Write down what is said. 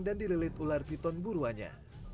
dan dililit ular piton buruannya